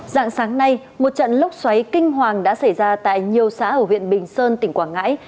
dạng sáng nay một trận lốc xoáy kinh hoàng đã xảy ra tại nhiều xã ở huyện bình sơn tỉnh quảng ngãi